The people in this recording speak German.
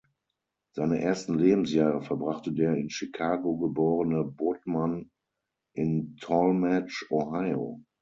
Seine ersten Lebensjahre verbrachte der in Chicago geborene Bodman in Tallmadge, Ohio.